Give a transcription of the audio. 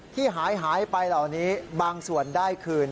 ที่หายไปเหล่านี้บางส่วนได้คืน